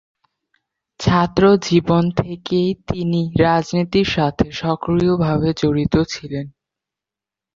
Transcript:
ছাত্র জীবন থেকেই তিনি রাজনীতির সাথে সক্রিয়ভাবে জড়িত ছিলেন।